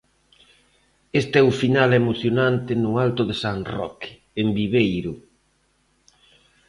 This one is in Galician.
Este é o final emocionante no Alto de San Roque, en Viveiro.